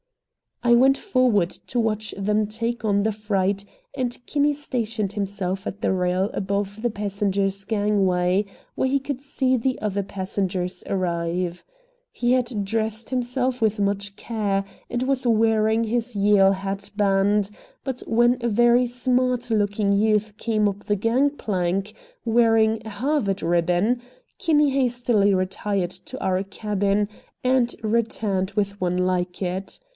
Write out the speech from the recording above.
I went forward to watch them take on the freight, and Kinney stationed himself at the rail above the passengers gangway where he could see the other passengers arrive. He had dressed himself with much care, and was wearing his Yale hat band, but when a very smart looking youth came up the gangplank wearing a Harvard ribbon, Kinney hastily retired to our cabin and returned with one like it.